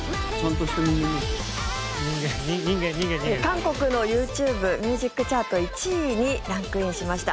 韓国のＹｏｕＴｕｂｅミュージックチャート１位にランクインしました。